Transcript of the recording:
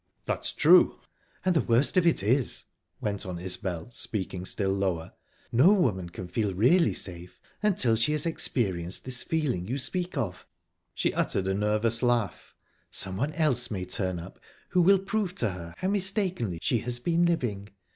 "That's true." "And the worst of it is," went on Isbel, speaking still lower, "no woman can feel really safe until she has experienced this feeling you speak of." She uttered a nervous laugh. "Someone else may turn up, who will prove to her how mistakenly she has been living...